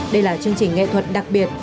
đây là chương trình nghệ thuật đặc biệt